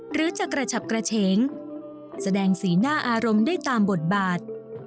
หรือจะกระฉับกระเฉงแสดงสีหน้าอารมณ์ได้ตามบทบาท